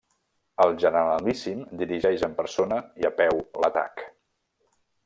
El generalíssim dirigeix en persona i a peu l'atac.